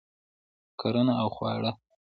کرنه او خواړه